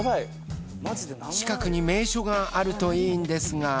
近くに名所があるといいんですが。